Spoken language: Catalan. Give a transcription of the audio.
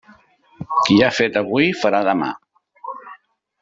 Qui ha fet avui, farà demà.